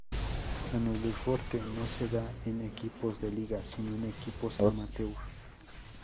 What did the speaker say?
En el deporte no se da en equipos de liga, sino en equipos amateur.